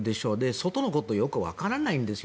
外のことよくわからないんですよ。